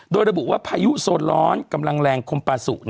โดยระบุว่าพายุโซนร้อนกำลังแรงคมปาสุ